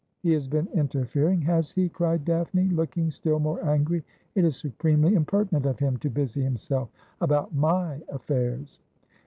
he has been interfering, has he?' cried Daphne, looking still more angry. ' It is supremely impertinent of him to busy himself about my afJairs.'